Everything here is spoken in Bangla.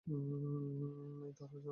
এই ধারার জনক অ্যারিস্টটল।